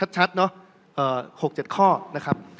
ชัดเนอะ๖๗ข้อนะครับ